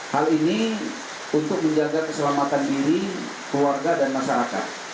hal ini untuk menjaga keselamatan diri keluarga dan masyarakat